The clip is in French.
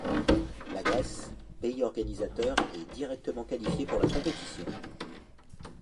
La Grèce, pays organisateur, est directement qualifié pour la compétition.